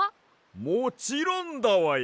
もちろんだわや！